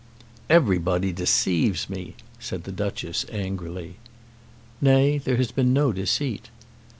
"Everybody deceives me," said the Duchess angrily. "Nay; there has been no deceit."